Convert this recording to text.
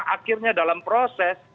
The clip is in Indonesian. akhirnya dalam proses